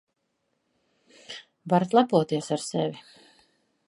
Varat lepoties ar sevi.